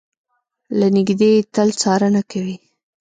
له نږدې يې تل څارنه کوي.